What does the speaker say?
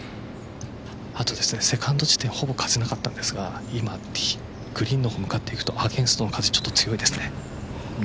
あとセカンド地点ほぼ風なかったんですが今、グリーンのほうに向かっていくとアゲンストの風ちょっと強いですね。